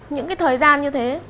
những cái thời gian như thế